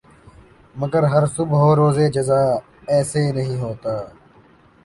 مگر ہر صبح ہو روز جزا ایسے نہیں ہوتا